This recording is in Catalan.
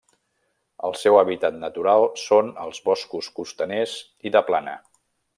El seu hàbitat natural són els boscos costaners i de plana.